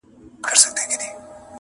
لا په اورونو کي تازه پاته ده٫